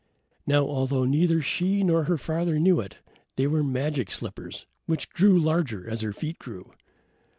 Now, although neither she nor her father knew it, they were magic slippers which grew larger as her feet grew.